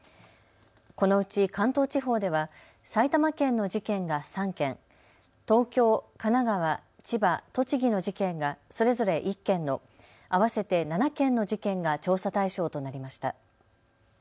このうち関東地方では埼玉県の事件が３件、東京、神奈川、千葉、栃木の事件がそれぞれ１件の合わせて７件の事件が調査対象となりました。